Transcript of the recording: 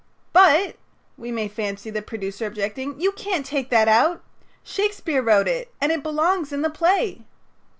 "But," we may fancy the producer objecting, "you can't take that out; Shakespeare wrote it, and it belongs in the play."